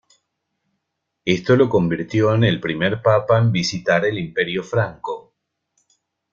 Esto lo convirtió en el primer papa en visitar el imperio Franco.